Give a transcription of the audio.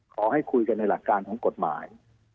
ขอให้คุยกันในหลักการของกฎหมาย